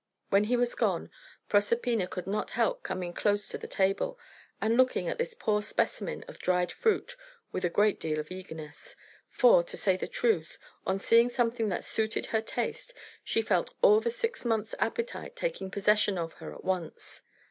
When he was gone, Proserpina could not help coming close to the table, and looking at this poor specimen of dried fruit with a great deal of eagerness; for, to say the truth, on seeing something that suited her taste, she felt all the six months' appetite taking possession of her at once.